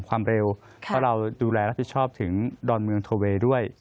ความเร็วเพราะเราดูแลรับผิดชอบถึงดอนเมืองโทเวย์ด้วย